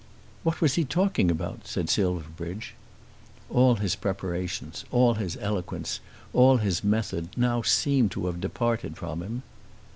"What was he talking about?" said Silverbridge. All his preparations, all his eloquence, all his method, now seemed to have departed from him.